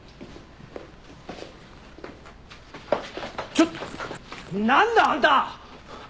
ちょっ何だあんた！